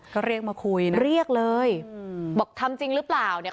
ก็เรียกมาคุยนะเรียกเลยอืมบอกทำจริงหรือเปล่าเนี่ย